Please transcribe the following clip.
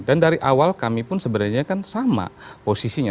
dan dari awal kami pun sebenarnya kan sama posisinya